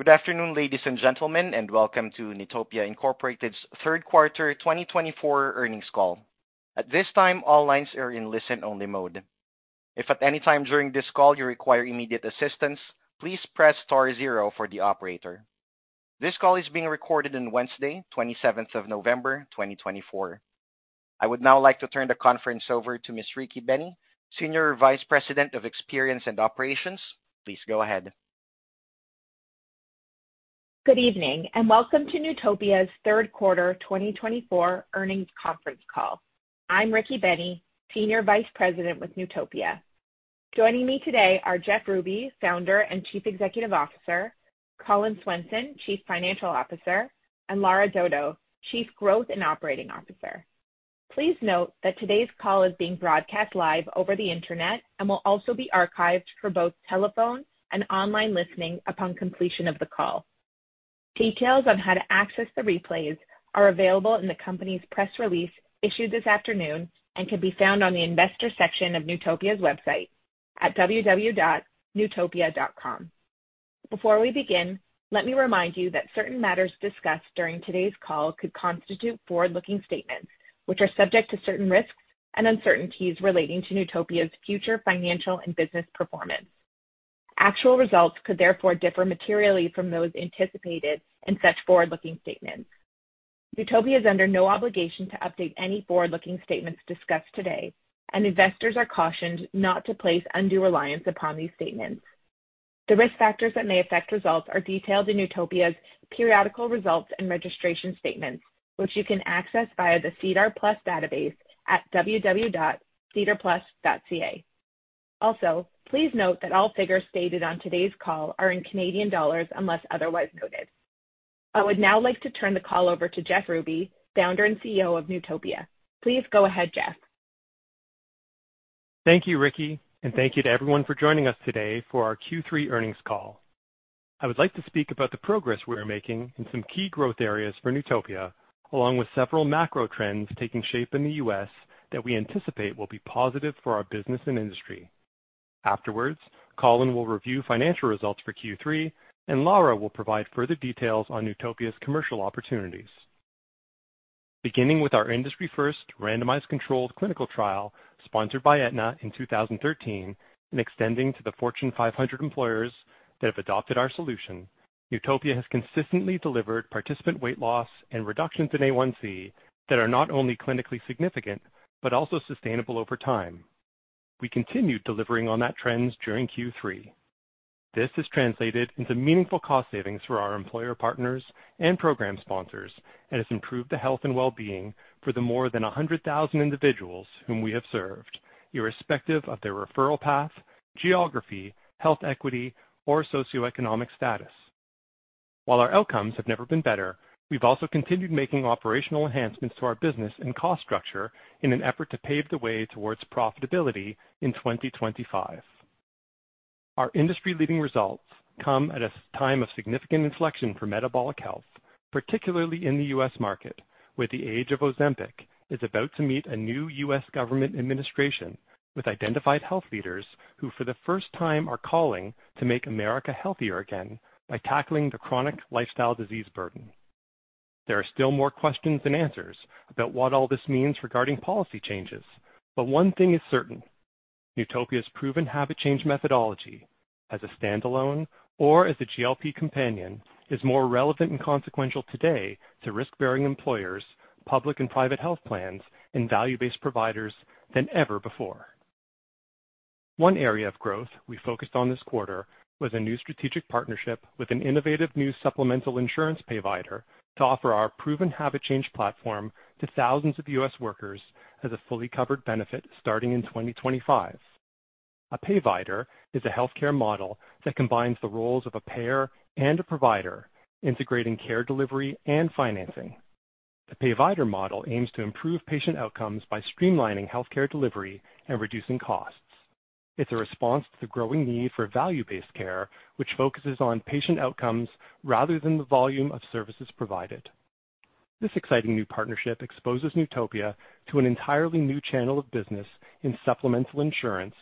Good afternoon, ladies and gentlemen, and welcome to Newtopia Incorporated's third quarter 2024 Earnings Call. At this time, all lines are in listen-only mode. If at any time during this call you require immediate assistance, please press star zero for the operator. This call is being recorded on Wednesday, 27th of November, 2024. I would now like to turn the conference over to Ms. Rikki Bennie, Senior Vice President of Experience and Operations. Please go ahead. Good evening, and welcome to Newtopia's third quarter 2024 Earnings Conference Call. I'm Rikki Bennie, Senior Vice President with Newtopia. Joining me today are Jeff Ruby, Founder and Chief Executive Officer, Collin Swenson, Chief Financial Officer, and Lara Dodo, Chief Growth and Operating Officer. Please note that today's call is being broadcast live over the internet and will also be archived for both telephone and online listening upon completion of the call. Details on how to access the replays are available in the company's press release issued this afternoon and can be found on the investor section of Newtopia's website at www.newtopia.com. Before we begin, let me remind you that certain matters discussed during today's call could constitute forward-looking statements, which are subject to certain risks and uncertainties relating to Newtopia's future financial and business performance. Actual results could therefore differ materially from those anticipated in such forward-looking statements. Newtopia is under no obligation to update any forward-looking statements discussed today, and investors are cautioned not to place undue reliance upon these statements. The risk factors that may affect results are detailed in Newtopia's periodical results and registration statements, which you can access via the SEDAR+ database at www.sedarplus.ca. Also, please note that all figures stated on today's call are in Canadian dollars unless otherwise noted. I would now like to turn the call over to Jeff Ruby, Founder and CEO of Newtopia. Please go ahead, Jeff. Thank you, Rikki, and thank you to everyone for joining us today for our Q3 earnings call. I would like to speak about the progress we are making in some key growth areas for Newtopia, along with several macro trends taking shape in the U.S. that we anticipate will be positive for our business and industry. Afterwards, Collin will review financial results for Q3, and Lara will provide further details on Newtopia's commercial opportunities. Beginning with our industry-first, randomized controlled clinical trial sponsored by Aetna in 2013 and extending to the Fortune 500 employers that have adopted our solution, Newtopia has consistently delivered participant weight loss and reductions in A1C that are not only clinically significant but also sustainable over time. We continued delivering on that trend during Q3. This has translated into meaningful cost savings for our employer partners and program sponsors and has improved the health and well-being for the more than 100,000 individuals whom we have served, irrespective of their referral path, geography, health equity, or socioeconomic status. While our outcomes have never been better, we've also continued making operational enhancements to our business and cost structure in an effort to pave the way towards profitability in 2025. Our industry-leading results come at a time of significant inflection for metabolic health, particularly in the U.S. market, where the age of Ozempic is about to meet a new U.S. government administration with identified health leaders who for the first time are calling to make America healthier again by tackling the chronic lifestyle disease burden. There are still more questions than answers about what all this means regarding policy changes, but one thing is certain: Newtopia's proven habit change methodology, as a standalone or as a GLP companion, is more relevant and consequential today to risk-bearing employers, public and private health plans, and value-based payviders than ever before. One area of growth we focused on this quarter was a new strategic partnership with an innovative new supplemental insurance payvider to offer our proven habit change platform to thousands of U.S. workers as a fully covered benefit starting in 2025. A payvider is a healthcare model that combines the roles of a payer and a provider, integrating care delivery and financing. The payvider model aims to improve patient outcomes by streamlining healthcare delivery and reducing costs. It's a response to the growing need for value-based care, which focuses on patient outcomes rather than the volume of services provided. This exciting new partnership exposes Newtopia to an entirely new channel of business in supplemental insurance,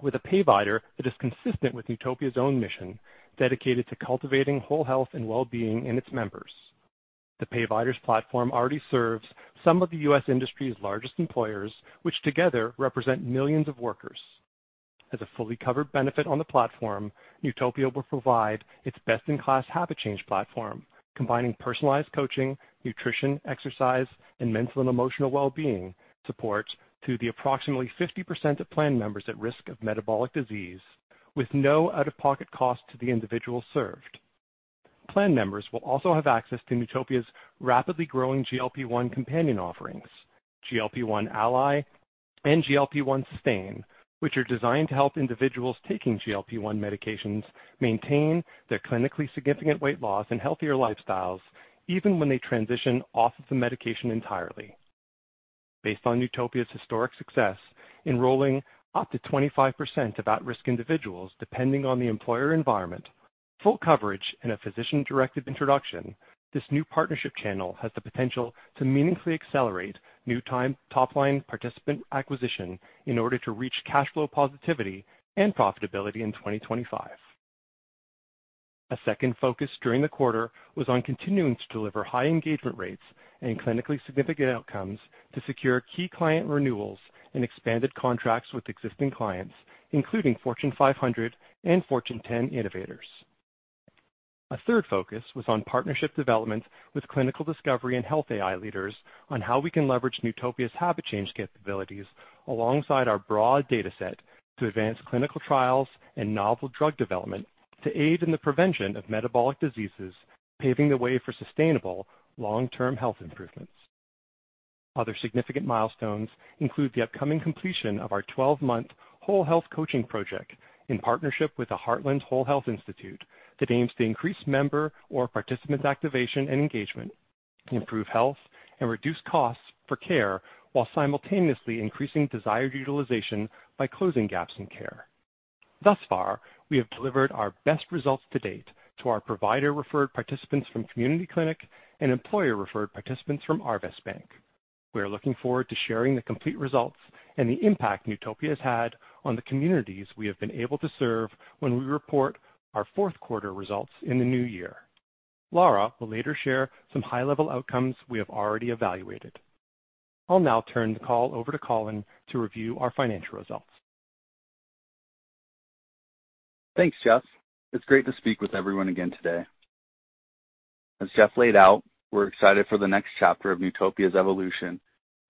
with a payvider that is consistent with Newtopia's own mission, dedicated to cultivating whole health and well-being in its members. The payvider's platform already serves some of the U.S. industry's largest employers, which together represent millions of workers. As a fully covered benefit on the platform, Newtopia will provide its best-in-class habit change platform, combining personalized coaching, nutrition, exercise, and mental and emotional well-being support to the approximately 50% of plan members at risk of metabolic disease, with no out-of-pocket cost to the individuals served. Plan members will also have access to Newtopia's rapidly growing GLP-1 companion offerings, GLP-1 Ally, and GLP-1 Sustain, which are designed to help individuals taking GLP-1 medications maintain their clinically significant weight loss and healthier lifestyles even when they transition off of the medication entirely. Based on Newtopia's historic success in rolling up to 25% of at-risk individuals depending on the employer environment, full coverage, and a physician-directed introduction, this new partnership channel has the potential to meaningfully accelerate new top-line participant acquisition in order to reach cash flow positivity and profitability in 2025. A second focus during the quarter was on continuing to deliver high engagement rates and clinically significant outcomes to secure key client renewals and expanded contracts with existing clients, including Fortune 500 and Fortune 10 innovators. A third focus was on partnership development with clinical discovery and health AI leaders on how we can leverage Newtopia's habit change capabilities alongside our broad data set to advance clinical trials and novel drug development to aid in the prevention of metabolic diseases, paving the way for sustainable, long-term health improvements. Other significant milestones include the upcoming completion of our 12-month whole health coaching project in partnership with the Heartland Whole Health Institute that aims to increase member or participant activation and engagement, improve health, and reduce costs for care while simultaneously increasing desired utilization by closing gaps in care. Thus far, we have delivered our best results to date to our payvider-referred participants from Community Clinic and employer-referred participants from Arvest Bank. We are looking forward to sharing the complete results and the impact Newtopia has had on the communities we have been able to serve when we report our fourth quarter results in the new year. Lara will later share some high-level outcomes we have already evaluated. I'll now turn the call over to Collin to review our financial results. Thanks, Jeff. It's great to speak with everyone again today. As Jeff laid out, we're excited for the next chapter of Newtopia's evolution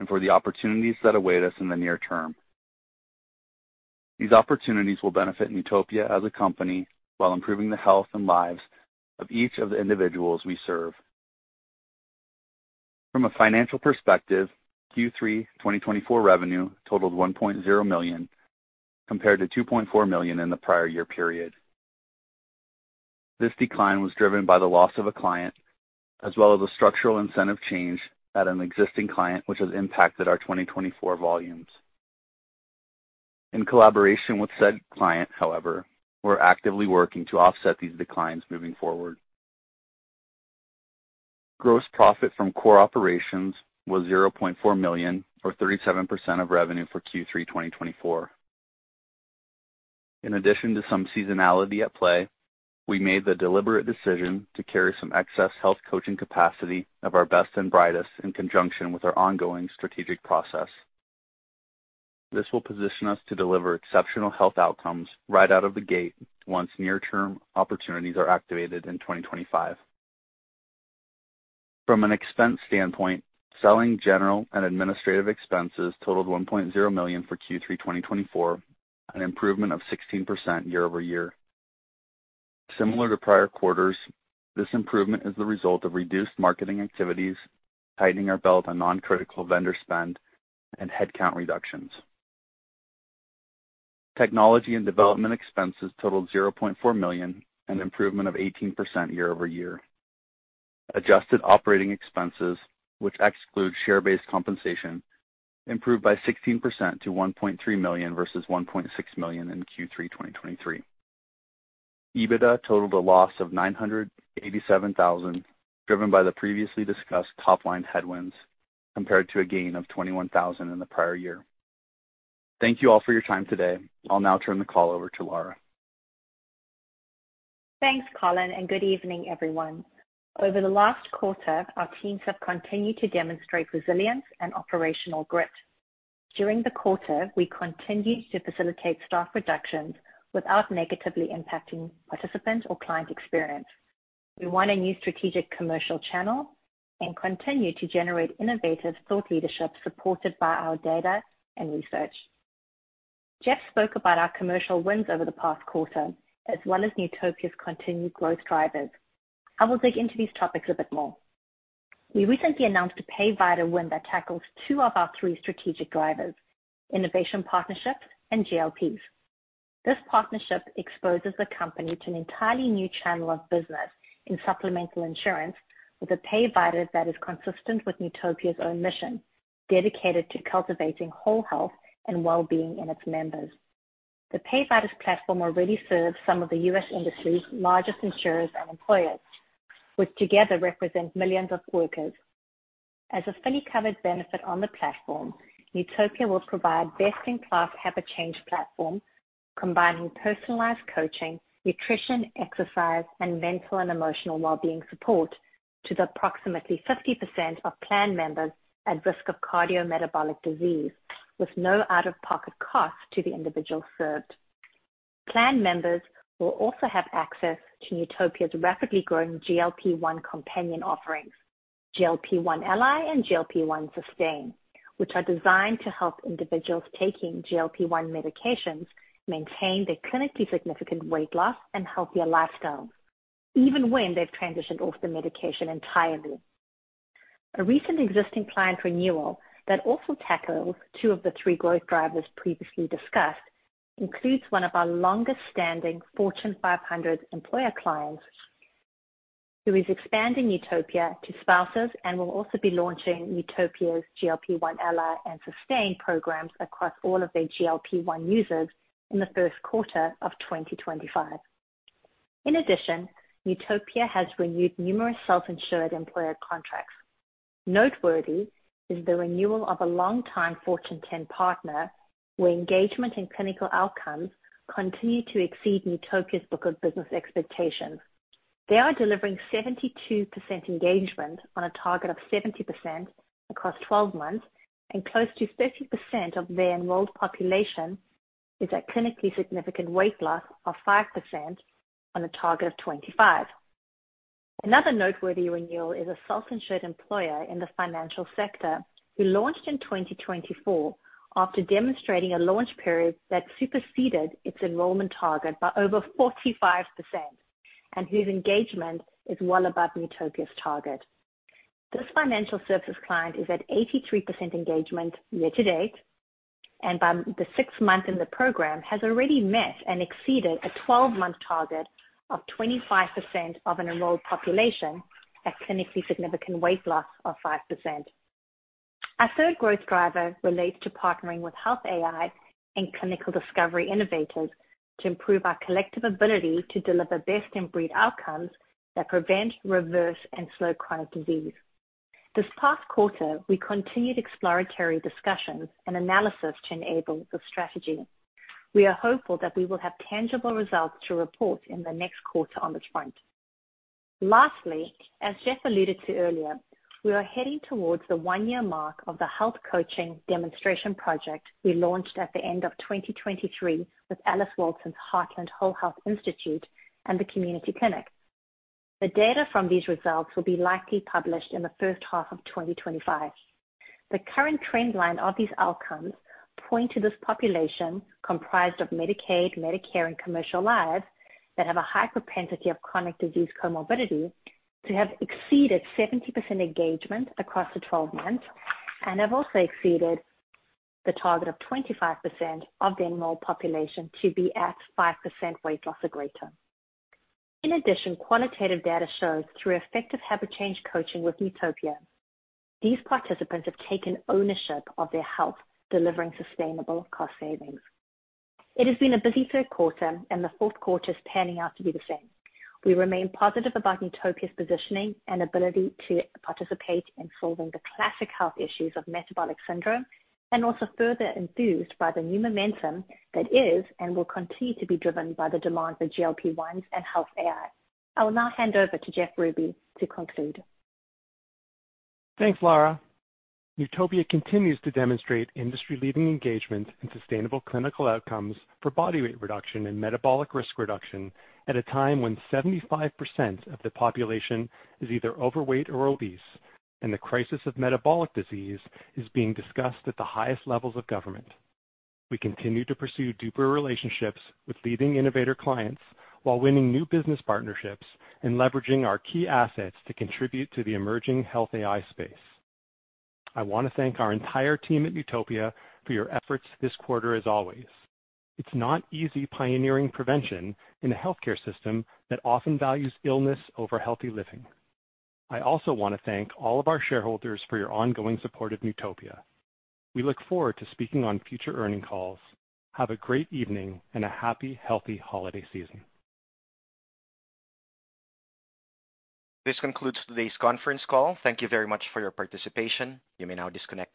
and for the opportunities that await us in the near term. These opportunities will benefit Newtopia as a company while improving the health and lives of each of the individuals we serve. From a financial perspective, Q3 2024 revenue totaled 1.0 million, compared to 2.4 million in the prior year period. This decline was driven by the loss of a client, as well as a structural incentive change at an existing client, which has impacted our 2024 volumes. In collaboration with said client, however, we're actively working to offset these declines moving forward. Gross profit from core operations was 0.4 million, or 37% of revenue for Q3 2024. In addition to some seasonality at play, we made the deliberate decision to carry some excess health coaching capacity of our best and brightest in conjunction with our ongoing strategic process. This will position us to deliver exceptional health outcomes right out of the gate once near-term opportunities are activated in 2025. From an expense standpoint, selling general and administrative expenses totaled 1.0 million for Q3 2024, an improvement of 16% year over year. Similar to prior quarters, this improvement is the result of reduced marketing activities, tightening our belt on non-critical vendor spend, and headcount reductions. Technology and development expenses totaled 0.4 million, an improvement of 18% year over year. Adjusted operating expenses, which exclude share-based compensation, improved by 16% to 1.3 million vs 1.6 million in Q3 2023. EBITDA totaled a loss of 987,000, driven by the previously discussed top-line headwinds, compared to a gain of 21,000 in the prior year. Thank you all for your time today. I'll now turn the call over to Lara. Thanks, Collin, and good evening, everyone. Over the last quarter, our teams have continued to demonstrate resilience and operational grit. During the quarter, we continued to facilitate staff reductions without negatively impacting participant or client experience. We won a new strategic commercial channel and continue to generate innovative thought leadership supported by our data and research. Jeff spoke about our commercial wins over the past quarter, as well as Newtopia's continued growth drivers. I will dig into these topics a bit more. We recently announced a payvider win that tackles two of our three strategic drivers: innovation partnerships and GLPs. This partnership exposes the company to an entirely new channel of business in supplemental insurance with a payvider that is consistent with Newtopia's own mission, dedicated to cultivating whole health and well-being in its members. The payvider's platform already serves some of the U.S. industry's largest insurers and employers, which together represent millions of workers. As a fully covered benefit on the platform, Newtopia will provide best-in-class habit change platform, combining personalized coaching, nutrition, exercise, and mental and emotional well-being support to approximately 50% of plan members at risk of cardiometabolic disease, with no out-of-pocket cost to the individuals served. Plan members will also have access to Newtopia's rapidly growing GLP-1 companion offerings, GLP-1 Ally and GLP-1 Sustain, which are designed to help individuals taking GLP-1 medications maintain their clinically significant weight loss and healthier lifestyles, even when they've transitioned off the medication entirely. A recent existing client renewal that also tackles two of the three growth drivers previously discussed includes one of our longest-standing Fortune 500 employer clients, who is expanding Newtopia to spouses and will also be launching Newtopia's GLP-1 Ally and Sustain programs across all of their GLP-1 users in the first quarter of 2025. In addition, Newtopia has renewed numerous self-insured employer contracts. Noteworthy is the renewal of a longtime Fortune 10 partner, where engagement and clinical outcomes continue to exceed Newtopia's book of business expectations. They are delivering 72% engagement on a target of 70% across 12 months, and close to 50% of their enrolled population is at clinically significant weight loss of 5% on a target of 25%. Another noteworthy renewal is a self-insured employer in the financial sector who launched in 2024 after demonstrating a launch period that superseded its enrollment target by over 45%, and whose engagement is well above Newtopia's target. This financial services client is at 83% engagement year to date, and by the sixth month in the program has already met and exceeded a 12-month target of 25% of an enrolled population at clinically significant weight loss of 5%. Our third growth driver relates to partnering with health AI and clinical discovery innovators to improve our collective ability to deliver best-in-breed outcomes that prevent, reverse, and slow chronic disease. This past quarter, we continued exploratory discussions and analysis to enable the strategy. We are hopeful that we will have tangible results to report in the next quarter on this front. Lastly, as Jeff alluded to earlier, we are heading towards the one-year mark of the health coaching demonstration project we launched at the end of 2023 with Alice Walton's Heartland Whole Health Institute and the Community Clinic. The data from these results will be likely published in the first half of 2025. The current trend line of these outcomes points to this population, comprised of Medicaid, Medicare, and commercial lives, that have a high propensity of chronic disease comorbidity, to have exceeded 70% engagement across the 12 months and have also exceeded the target of 25% of the enrolled population to be at 5% weight loss or greater. In addition, qualitative data shows through effective habit change coaching with Newtopia, these participants have taken ownership of their health, delivering sustainable cost savings. It has been a busy third quarter, and the fourth quarter is panning out to be the same. We remain positive about Newtopia's positioning and ability to participate in solving the classic health issues of metabolic syndrome, and also further enthused by the new momentum that is and will continue to be driven by the demand for GLP-1s and health AI. I will now hand over to Jeff Ruby to conclude. Thanks, Lara. Newtopia continues to demonstrate industry-leading engagement and sustainable clinical outcomes for body weight reduction and metabolic risk reduction at a time when 75% of the population is either overweight or obese, and the crisis of metabolic disease is being discussed at the highest levels of government. We continue to pursue deeper relationships with leading innovator clients while winning new business partnerships and leveraging our key assets to contribute to the emerging health AI space. I want to thank our entire team at Newtopia for your efforts this quarter, as always. It's not easy pioneering prevention in a healthcare system that often values illness over healthy living. I also want to thank all of our shareholders for your ongoing support of Newtopia. We look forward to speaking on future earnings calls. Have a great evening and a happy, healthy holiday season. This concludes today's conference call. Thank you very much for your participation. You may now disconnect.